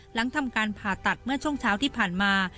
หลังทำการผ่าตัดเมื่อช่วงเช้าที่ผ่านมา